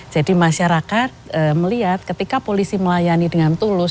jadi masyarakat melihat ketika polisi melayani dengan tulus